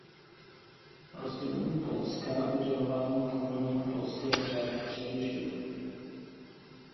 Rozdělení Polska udělování původního polského řádu přerušilo.